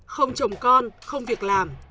không chồng con không việc làm